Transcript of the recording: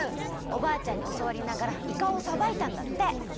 おばあちゃんにおそわりながらイカをさばいたんだって。